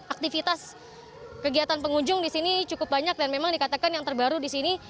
aktivitas kegiatan pengunjung di sini cukup banyak dan memang dikatakan yang terbaru di sini